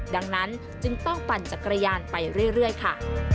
ดังนั้นจึงต้องปั่นจักรยานไปเรื่อยค่ะ